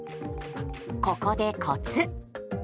ここでコツ。